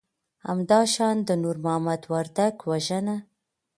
همدا شان د نور محمد وردک وژنه